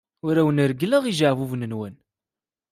Ur awen-reggleɣ ijeɛbuben-nwen.